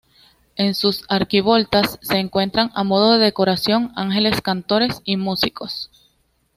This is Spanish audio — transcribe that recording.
En sus arquivoltas, se encuentran a modo de decoración ángeles cantores y músicos.